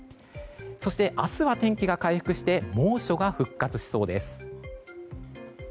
そして明日は天気が回復して猛暑が復活しそうです。